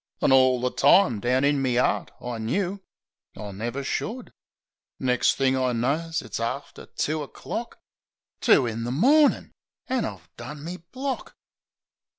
An' orl the time down in me 'eart I knew I never should ... Nex' thing I knows it's after two o'clock — Two in the mornin' ! An' I've done me block